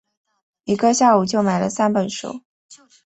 一个下午就买了三本书